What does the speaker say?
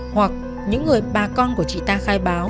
hoặc những người bà con của chị ta khai báo